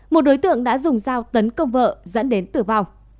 một đối tượng đã dùng dao tấn công vợ dẫn đến tử vong